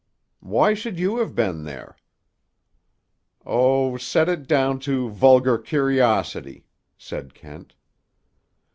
"Why should you have been there?" "Oh, set it down to vulgar curiosity," said Kent.